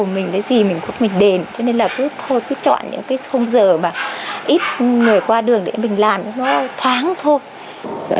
mình cái gì mình cũng đền cho nên là cứ chọn những hôm giờ ít người qua đường để mình làm nó thoáng thôi